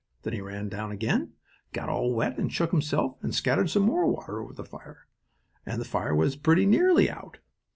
Then he ran down again and got all wet and shook himself, and scattered some more water over the fire. And that fire was pretty nearly out.